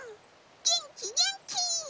げんきげんき！